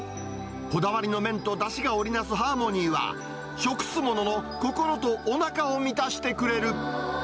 こだわりの麺とだしが織り成すハーモニーは、食す者の心とおなかを満たしてくれる。